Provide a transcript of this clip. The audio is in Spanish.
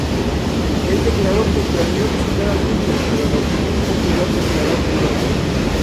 Él declaró que planeó visitar Disney pero la opinión popular declaró que no.